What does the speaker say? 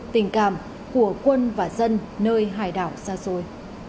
tình cảm của quân và dân nơi hải đảo xa xôi